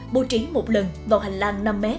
bố trí một lần vào hành lang năm m